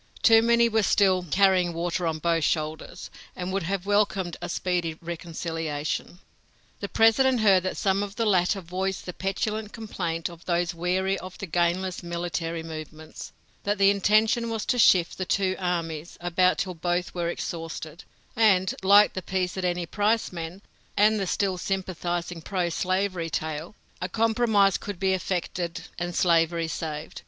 Too many were still "carrying water on both shoulders," and would have welcomed a speedy reconciliation. The President heard that some of the latter voiced the petulant complaint of those weary of the gainless military movements, that the intention was to shift the two armies about till both were exhausted, and, like the peace at any price men, and the still sympathizing pro slavery "tail," a compromise could be effected and slavery saved.